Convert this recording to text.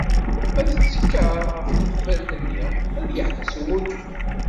Ma tettekkaḍ ɣef tqeffalt-nni, ad yeḥbes umutur.